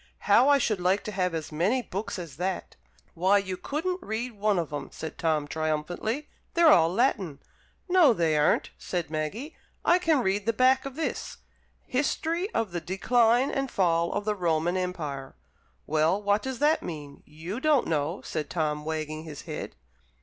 "How I should like to have as many books as that!" "Why, you couldn't read one of 'em," said Tom, triumphantly. "They're all Latin." "No, they aren't," said Maggie. "I can read the back of this ... 'History of the Decline and Fall of the Roman Empire.'" "Well, what does that mean? You don't know," said Tom, wagging his head.